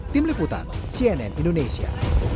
tim liputan cnn indonesia